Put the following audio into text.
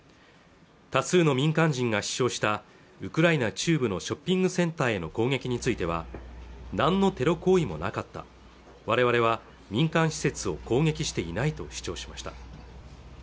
多数の民間人が死傷したウクライナ中部のショッピングセンターへの攻撃については何のテロ行為もなかった我々は民間施設を攻撃していないと主張しました